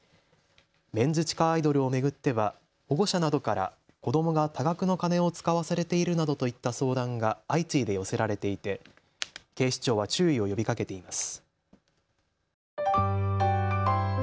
メンズ地下アイドルを巡っては保護者などから子どもが多額の金を使わされているなどといった相談が相次いで寄せられていて警視庁は注意を呼びかけています。